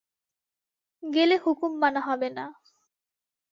গেলে হুকুম মানা হবে না।